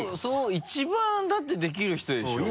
一番だってできる人でしょ？